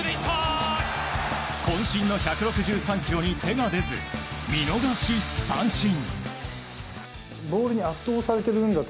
渾身の１６３キロに手が出ず見逃し三振。